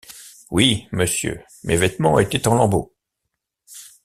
Oui, monsieur, mes vêtements étaient en lambeaux.